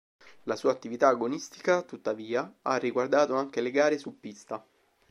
La sua attività agonistica tuttavia ha riguardato anche le gare su pista.